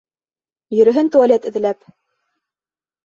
Йөрөһөн туалет эҙләп!